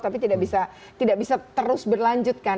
tapi tidak bisa terus berlanjutkan